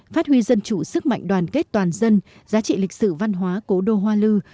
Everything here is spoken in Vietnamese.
phát huy dân chủ sức mạnh đoàn kết toàn dân giá trị lịch sử văn hóa cố đô hoa lư